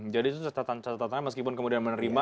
jadi itu catatan catatannya meskipun kemudian menerima